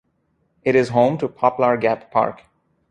It is home to Poplar Gap Park.